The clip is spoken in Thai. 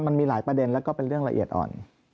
มันมีหลายประเด็นแล้วก็เป็นเรื่องละเอียดอ่อน